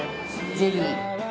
ゼリー。